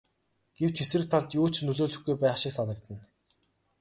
Гэвч эсрэг талд юу ч нөлөөлөхгүй байх шиг санагдана.